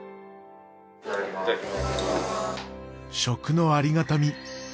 食のありがたみ。